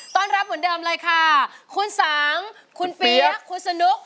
รับเหมือนเดิมเลยค่ะคุณสางคุณเปี๊ยกคุณสนุก